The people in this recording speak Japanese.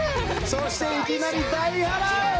そしていきなり大波乱！